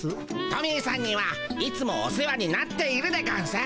トミーさんにはいつもお世話になっているでゴンス。